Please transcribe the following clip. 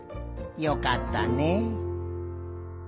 よかったねえ。